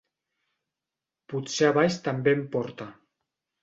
Potser a baix també en porta.